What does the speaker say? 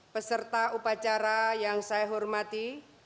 peserta upacara yang saya hormati